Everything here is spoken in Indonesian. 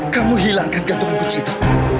kamu hilangkan gantuan kunci itu